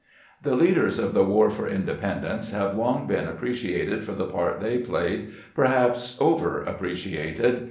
The leaders of the War for Independnece have long been appreciated for the part they played, perhaps over appreciated.